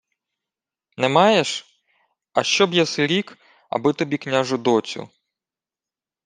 — Не маєш? А що б єси рік, аби тобі княжу доцю?